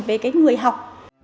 về người học